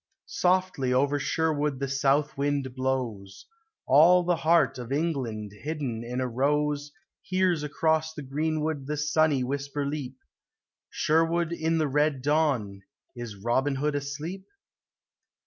Softly over Sherwood the south wind blows ; All the heart of England hidden in a rose Hears across the greenwood the sunny whisper leap, Sherwood in the red dawn, is Robin Hood asleep